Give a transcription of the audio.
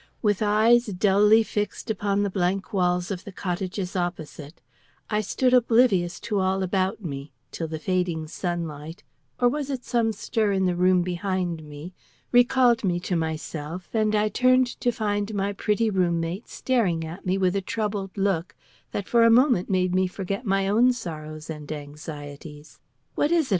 With eyes dully fixed upon the blank walls of the cottages opposite, I stood oblivious to all about me till the fading sunlight or was it some stir in the room behind me? recalled me to myself, and I turned to find my pretty room mate staring at me with a troubled look that for a moment made me forget my own sorrows and anxieties. "What is it?"